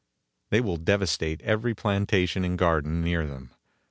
They will devastate every plantation and garden near them.